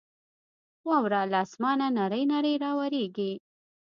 واوره له اسمانه نرۍ نرۍ راورېږي.